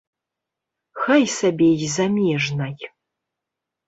Хай сабе і замежнай.